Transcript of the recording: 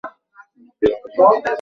তুমিতো জানো আমি কখনো আইস দিয়ে খাইনা।